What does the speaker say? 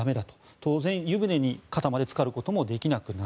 当然、湯船に肩までつかることもできなくなる。